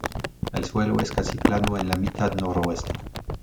El suelo es casi plano en la mitad noroeste.